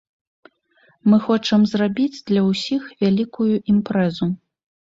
Мы хочам зрабіць для ўсіх вялікую імпрэзу.